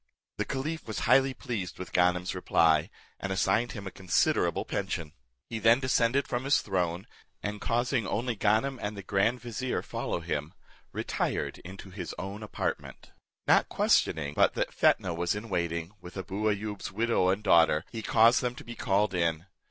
The caliph was highly pleased with Ganem's reply, and assigned him a considerable pension. He then descended from his throne, and causing only Ganem and the grand vizier, follow him, retired into his own apartment. Not questioning but that Fetnah was in waiting, with Abou Ayoub's widow and daughter, he caused them to be called in.